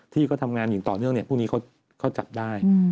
ที่ก็ทำงานอยู่ต่อเนื่องพวกนี้เขาจับได้